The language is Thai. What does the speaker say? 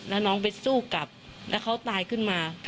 แล้วน้องไปสู้กลับแล้วเขาตายขึ้นมา